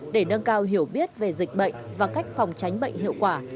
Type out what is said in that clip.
để nâng cao hiểu biết về dịch bệnh và cách phòng tránh bệnh hiệu quả